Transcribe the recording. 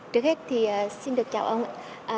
trước hết thì xin được chào ông ạ